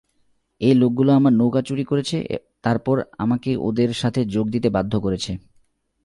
এই লোকগুলো আমার নৌকা চুরি করেছে তারপর আমাকে ওদের সাথে যোগ দিতে বাধ্য করেছে।